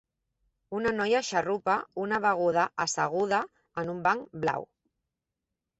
Una noia xarrupa una beguda asseguda en un banc blau.